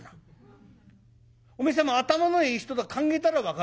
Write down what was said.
おめえ様頭のいい人だ考えたら分かるべ。